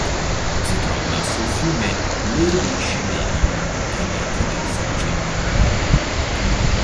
Si trova sul fiume Uebi Scebeli, che ne attraversa il centro.